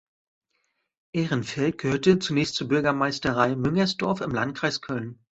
Ehrenfeld gehörte zunächst zur Bürgermeisterei Müngersdorf im Landkreis Köln.